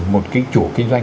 một cái chủ kinh doanh